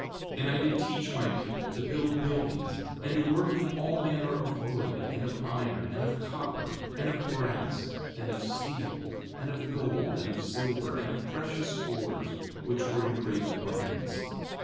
5:15 And I did teach my people to build buildings, and to work in all manner of wood, and of iron, and of copper, and of brass, and of steel, and of gold, and of silver, and of precious ores, which were in great abundance.